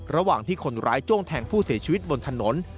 ระหว่างที่คนร้ายจ้วงแทงผู้เสียชีวิตบนถนน